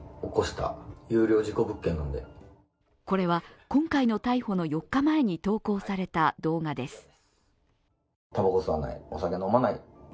これは、今回の逮捕の４日前に投稿された動画です。